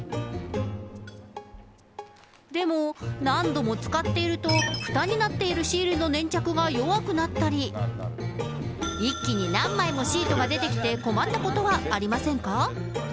でも、何度も使っていると、ふたになっているシールの粘着が弱くなったり、一気に何枚もシートが出てきて困ったことはありませんか？